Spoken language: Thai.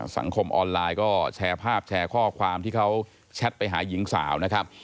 สังคมออนไลน์ก็แชร์ภาพแชร์ข้อความที่เขาแชทไปหาหญิงสาวนะครับ